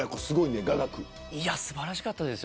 素晴らしかったです。